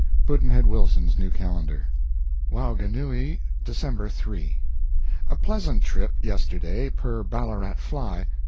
Pudd'nhead Wilson's New Calendar. WAUGANUI, December 3. A pleasant trip, yesterday, per Ballarat Fly.